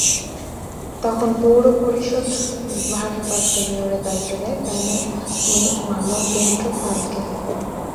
তখন পৌর পরিষদ ভারপ্রাপ্ত মেয়রের দায়িত্ব দেয় প্যানেল মেয়র মানবেন্দ্র পালকে।